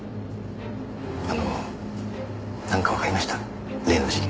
あのなんかわかりました？